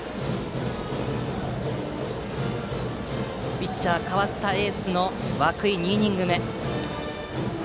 ピッチャーは代わったエースの涌井、２イニング目。